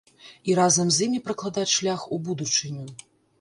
І разам з імі пракладаць шлях у будучыню.